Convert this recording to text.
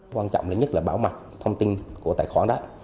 quan trọng nhất là bảo mặt thông tin của tài khoản đó